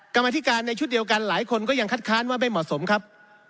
กรรมธิการในชุดเดียวกันหลายคนก็ยังคัดค้านว่าไม่เหมาะสมครับ